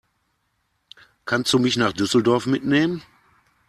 Kannst du mich nach Düsseldorf mitnehmen?